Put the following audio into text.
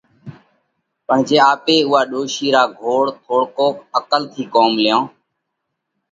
پڻ جي آپي اُوئا ڏوشِي را گھوڙ، ٿوڙڪئِيڪ عقل ٿِي ڪوم ليون